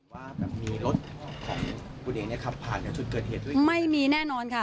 ว่าจะมีรถของคุณเองนะครับผ่านชุดเกิดเหตุไม่มีแน่นอนค่ะ